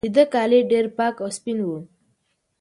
د ده کالي ډېر پاک او سپین وو.